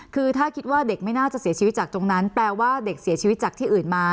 คือถ้าคิดว่าเด็กไม่น่าจะเสียชีวิตจากตรงนั้นแปลว่าเด็กเสียชีวิตจากที่อื่นมา